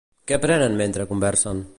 Què prenen mentre conversen?